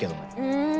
うん。